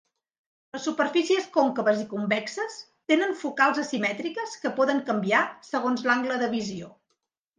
Les superfícies còncaves i convexes tenen focals asimètriques que poden canviar segons l'angle de visió.